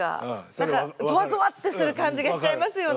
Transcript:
何かゾワゾワってする感じがしちゃいますよね。